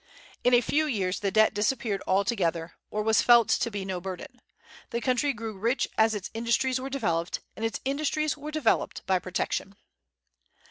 In a few years the debt disappeared altogether, or was felt to be no burden. The country grew rich as its industries were developed; and its industries were developed by protection.